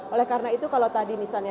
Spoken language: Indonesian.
oleh karena itu kalau tadi misalnya